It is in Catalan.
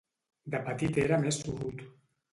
De petit era més sorrut.